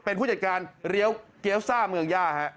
เป็นผู้จัดการเลี้ยวเกี้ยวซ่าเมืองย่าฮะ